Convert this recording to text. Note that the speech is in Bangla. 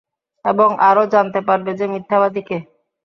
এবং আরও জানতে পারবে যে, মিথ্যাবাদী কে?